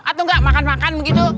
atau nggak makan makan begitu